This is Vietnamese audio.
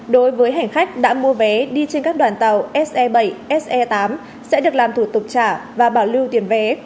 đối với hành khách đã mua vé đi trên các đoàn tàu se bảy se tám sẽ được làm thủ tục trả và bảo lưu tiền vé